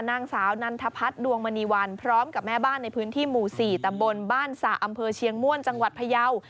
นางสาวนันทพัฒน์ดวงมณีวันพร้อมกับแม่บ้านในพื้นที่หมู่๔ตำบลบ้านสระอำเภอเชียงม่วนจังหวัดพยาว